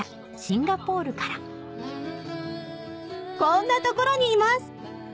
シンガポールから「こんな所にいます！